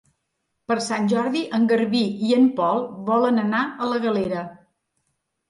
Per Sant Jordi en Garbí i en Pol volen anar a la Galera.